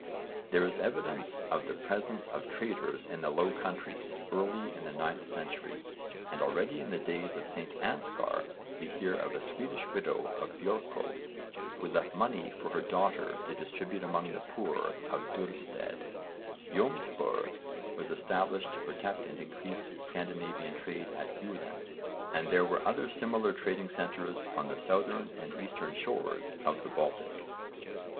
There is evidence of the presence of traders in the Low Country early in the 9th century, and already in the days of St Anskar we hear of a Swedish widow of Björkö who left money for her daughter to distribute among the poor of Duurstede. Jómsborg was established to protect and increase Scandinavian trade at Julin, and there were other similar trading centres on the southern and eastern shores of the Baltic.